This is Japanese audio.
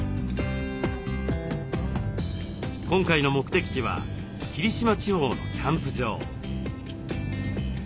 今回の目的地は霧島地方のキャンプ場。